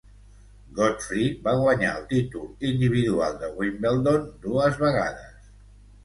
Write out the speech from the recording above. Godfree va guanyar el títol individual de Wimbledon dues vegades.